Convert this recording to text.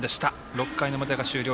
６回の表が終了。